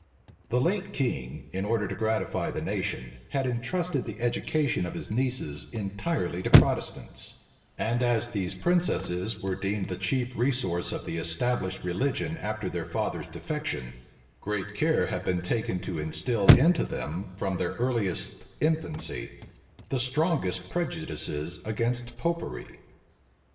The late king, in order to gratify the nation, had intrusted the education of his nieces entirely to Protestants; and as these princesses were deemed the chief resource of the established religion after their father's defection, great care had been taken to instil into them, from their earliest infancy, the strongest prejudices against Popery.